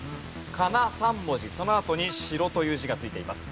仮名３文字そのあとに「城」という字が付いています。